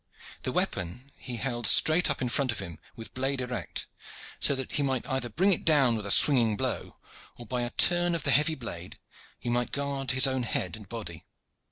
The weapon he held straight up in front of him with blade erect, so that he might either bring it down with a swinging blow, or by a turn of the heavy blade he might guard his own head and body.